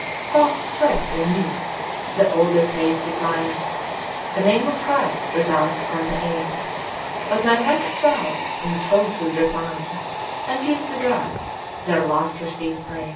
Fast spreads the new; the older faith declines. The name of Christ resounds upon the air. But my wrack'd soul in solitude repines And gives the Gods their last receivèd pray'r.